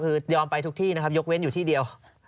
คือยอมไปทุกที่นะครับยกเว้นอยู่ที่เดียว